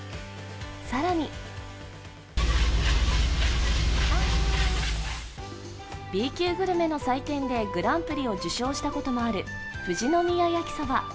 更にＢ級グルメの祭典でグランプリを受賞したこともある富士宮焼きそば。